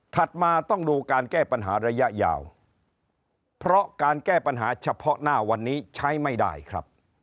มาต้องดูการแก้ปัญหาระยะยาวเพราะการแก้ปัญหาเฉพาะหน้าวันนี้ใช้ไม่ได้ครับ